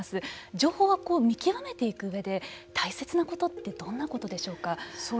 情報を見極めていく上で大切なことってどんなことでしょうか。